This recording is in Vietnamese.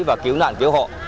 và cứu nạn cứu hộ